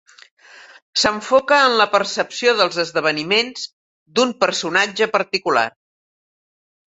S'enfoca en la percepció dels esdeveniments d'un personatge particular.